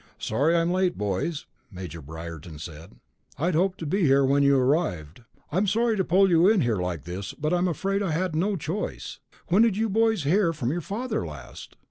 "Sorry I'm late, boys," Major Briarton said. "I'd hoped to be here when you arrived. I'm sorry to pull you in here like this, but I'm afraid I had no choice. When did you boys hear from your father last?"